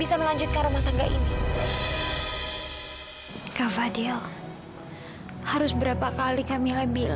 kami boleh bilang kalau kami